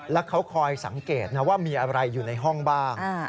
แล้วเขาคอยสังเกตนะว่ามีอะไรอยู่ในห้องบ้าง